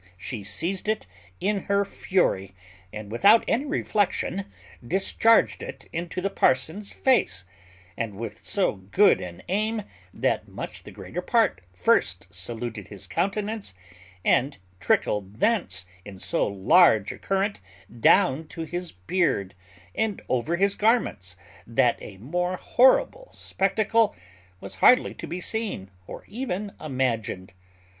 She seized it in her fury, and without any reflection, discharged it into the parson's face; and with so good an aim, that much the greater part first saluted his countenance, and trickled thence in so large a current down to his beard, and over his garments, that a more horrible spectacle was hardly to be seen, or even imagined.